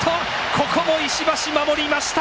ここも石橋、守りました！